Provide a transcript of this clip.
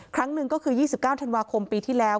ครั้งหนึ่งก็คือ๒๙ธันวาคมปีที่แล้ว